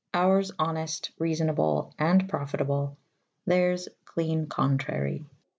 Oures honeft / reafonable /& profitable : Theyrs clene contrarye.